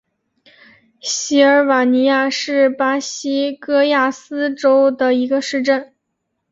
锡尔瓦尼亚是巴西戈亚斯州的一个市镇。